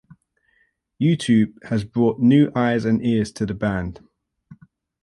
YouTube has brought new eyes and ears to the band.